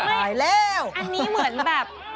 อันนี้เหมือนแบบ